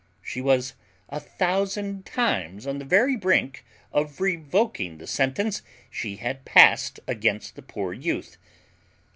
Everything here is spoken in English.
She was a thousand times on the very brink of revoking the sentence she had passed against the poor youth.